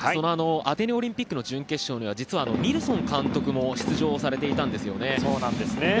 アテネオリンピックの準決勝には実はウィルソン監督も出場されていたんですよね。